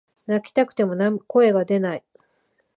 泣きたくても声が出ない